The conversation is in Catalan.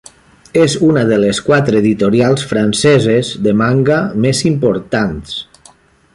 És una de les quatre editorials franceses de manga més importants.